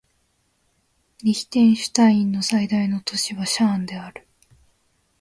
リヒテンシュタインの最大都市はシャーンである